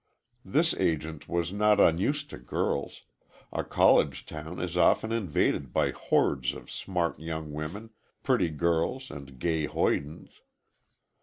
This agent was not unused to girls,—a college town is often invaded by hordes of smart young women, pretty girls and gay hoydens.